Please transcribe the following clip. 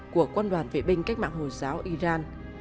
của quân đoàn vệ binh cách mạng hồi giáo iran